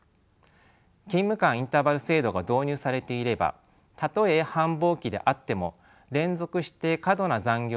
勤務間インターバル制度が導入されていればたとえ繁忙期であっても連続して過度な残業が続くことはなくなります。